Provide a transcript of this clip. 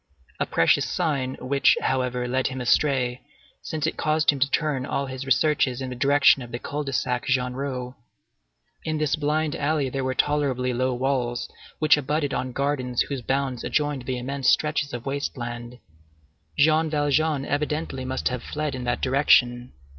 A precious sign which, however, led him astray, since it caused him to turn all his researches in the direction of the Cul de Sac Genrot. In this blind alley there were tolerably low walls which abutted on gardens whose bounds adjoined the immense stretches of waste land. Jean Valjean evidently must have fled in that direction.